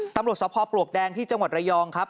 ตำรวจสภพปลวกแดงที่จังหวัดระยองครับ